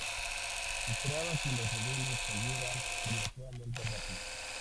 Se esperaba que los niveles cayeran relativamente rápido.